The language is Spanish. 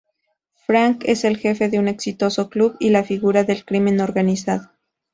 Frank es el jefe de un exitoso club y la figura del crimen organizado.